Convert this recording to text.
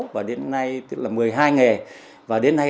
và đến nay tức là một mươi hai nghề